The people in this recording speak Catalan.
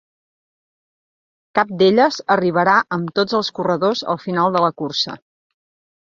Cap d'elles arribarà amb tots els corredors al final de la cursa.